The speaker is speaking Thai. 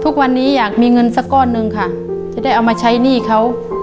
ทุกวันนี้อยากมีเงินสักก้อนหนึ่งค่ะจะได้เอามาใช้หนี้เขา